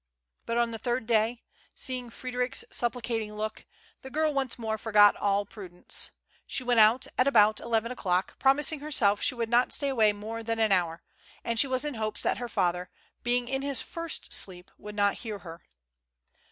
But on the third day, seeing Frederic's supplicating look, the girl once more forgot all prudence. She went out at about eleven o'clock, promising herself that she would not stay away more than an hour; and she was in hopes that her father, being in his first sleep, would not hear her.